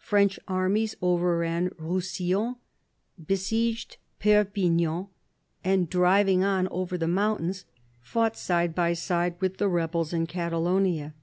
French armies overran Roussillon, besieged Perpignan, and driving on over the mountains, fought side by side with the rebels in Catalonia.